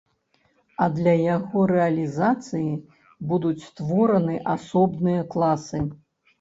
А для яго рэалізацыі будуць створаны асобныя класы.